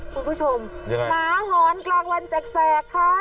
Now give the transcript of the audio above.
คุณผู้ชมยังไงหมาหอนกลางวันแสกค่ะ